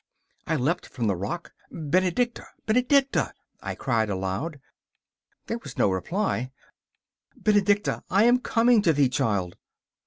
I leapt from the rock. 'Benedicta, Benedicta!' I cried aloud. There was no reply. 'Benedicta, I am coming to thee, child!